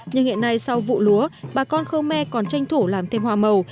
nhưng hiện nay sau vụ lúa bà con khmer còn tranh thủ làm thêm hòa màu